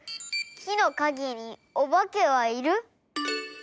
きのかげにおばけはいる？